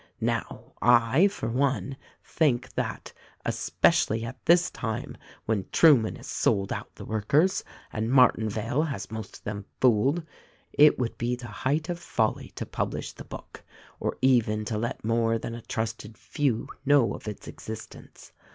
Now, I, for one, think that, especially at this time when Trueman has sold out the workers and Martinvale has most of them fooled, it would be the height of folly to publish the book or even to let more than a trusted few know of its existence.